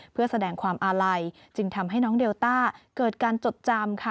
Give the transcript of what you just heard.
เพื่อแสดงความอาลัยจึงทำให้น้องเดลต้าเกิดการจดจำค่ะ